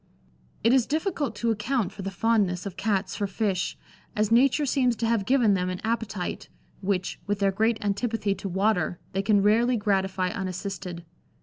It is difficult to account for the fondness of Cats for fish, as nature seems to have given them an appetite, which, with their great antipathy to water, they can rarely gratify unassisted.